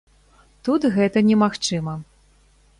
Тут гэта не магчыма.